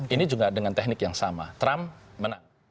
ini juga dengan teknik yang sama trump menang